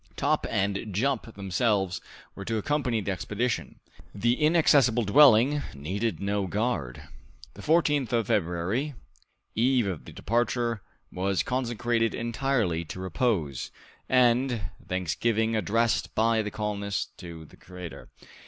Top and Jup themselves were to accompany the expedition; the inaccessible dwelling needed no guard. The 14th of February, eve of the departure, was consecrated entirely to repose, and thanksgiving addressed by the colonists to the Creator.